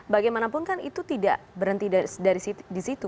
bagaimanapun kan itu tidak berhenti dari situ